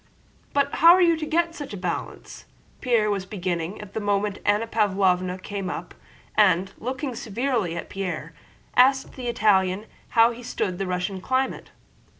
"But how are you to get that balance?" Pierre was beginning. At that moment Anna Pávlovna came up and, looking severely at Pierre, asked the Italian how he stood Russian climate.